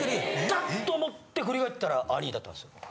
痛っ！と思って振り返ったら兄ィだったんですよ。